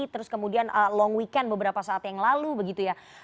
terus kemudian long weekend beberapa saat yang lalu begitu ya